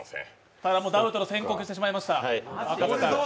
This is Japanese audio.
ただ、ダウトの宣告をしてしまいました。